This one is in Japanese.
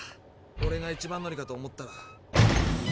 オレが一番乗りかと思ったら。